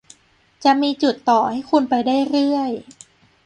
จะมีจุดต่อให้คุณไปได้เรื่อย